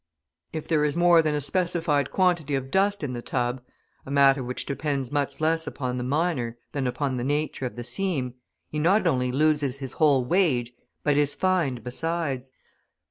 If there is more than a specified quantity of dust in the tub, a matter which depends much less upon the miner than upon the nature of the seam, he not only loses his whole wage but is fined besides.